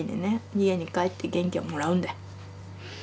家に帰って元気をもらうんだよ。